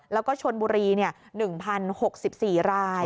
แล้วก็ชนบุรี๑๐๖๔ราย